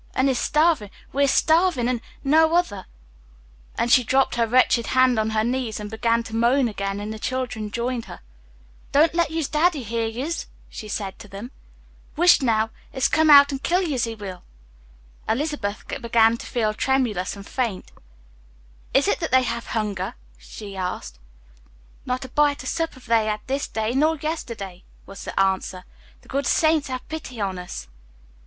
An' it's starvin' we are starvin' an' no other," and she dropped her wretched head on her knees and began to moan again, and the children joined her. [ILLUSTRATION: "WHY IS IT THAT YOU CRY?" SHE ASKED GENTLY.] "Don't let yez daddy hear yez," she said to them. "Whisht now it's come out an' kill yez he will." Elizabeth began to feel tremulous and faint. "Is it that they have hunger?" she asked. "Not a bite or sup have they had this day, nor yesterday," was the answer, "The good Saints have pity on us."